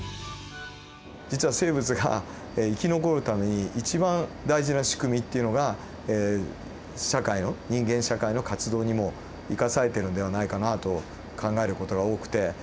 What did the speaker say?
実は生物が生き残るために一番大事な仕組みっていうのが社会の人間社会の活動にも生かされてるんではないかなと考える事が多くて。